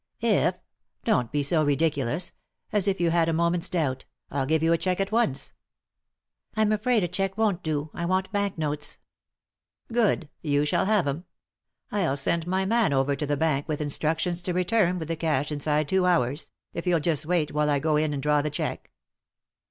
" If 1— don't be so ridiculous !— as it you had a moment's doubt I'll give you a cheque at once." 306 3i 9 iii^d by Google THE INTERRUPTED KISS " I'm afraid a cheque won't do ; I want bank notes." " Good — you shall have 'em 1 I'll send my man over to the bank with instructions to return with the cash inside two hours — if you'll just wait while I go in and draw the cheque."